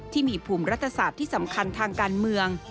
ที่มีภูมิรัฐศาสตร์ที่สำคัญทางการเมือง